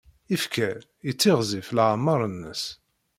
Ifker yettiɣzif leɛmeṛ-nnes.